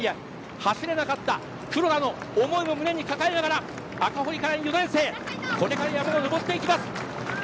走れなかった黒田の思いも胸に抱えながら赤堀かれん４年生がこれから山を上ります。